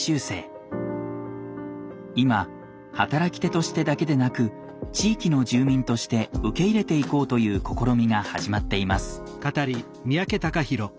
今働き手としてだけでなく地域の住民として受け入れていこうという試みが始まっています。